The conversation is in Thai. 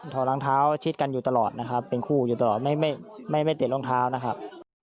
รองเท้าชิดกันอยู่ตลอดนะครับเป็นคู่อยู่ตลอดไม่ไม่ติดรองเท้านะครับ